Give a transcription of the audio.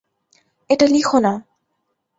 এটা লিখো না।